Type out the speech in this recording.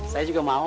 saya juga mau